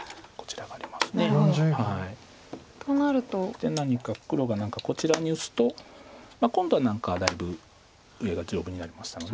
で何か黒がこちらに打つと今度は何かだいぶ上が丈夫になりましたので。